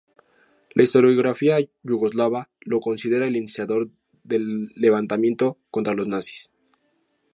La historiografía yugoslava lo considera el iniciador del levantamiento contra los nazis.